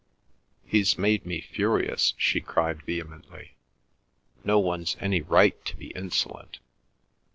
"He's made me furious!" she cried vehemently. "No one's any right to be insolent!"